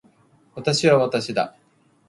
私は私だ